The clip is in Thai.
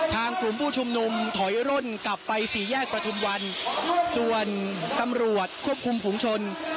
กลุ่มผู้ชุมนุมถอยร่นกลับไปสี่แยกประทุมวันส่วนตำรวจควบคุมฝุงชน